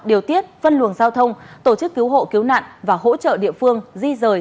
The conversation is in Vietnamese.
điều tiết phân luồng giao thông tổ chức cứu hộ cứu nạn và hỗ trợ địa phương di rời